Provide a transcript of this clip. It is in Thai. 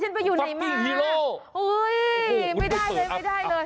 ใครก็อยู่ไหนมาโอ้โหไม่ได้เลยไม่ได้เลย